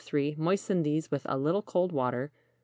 Moisten these with a little cold water.